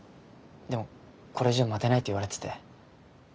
でもこれ以上待てないって言われてて。